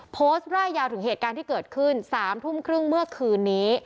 ร่ายยาวถึงเหตุการณ์ที่เกิดขึ้น๓ทุ่มครึ่งเมื่อคืนนี้